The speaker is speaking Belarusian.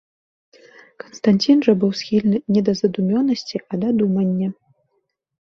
Канстанцін жа быў схільны не да задумёнасці, а да думання.